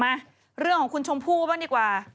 มาเรื่องของคุณชมพู่บ้างดีกว่า